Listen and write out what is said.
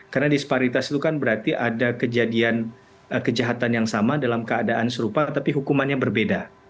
karena disparitas itu kan berarti ada kejahatan yang sama dalam keadaan serupa tapi hukumannya berbeda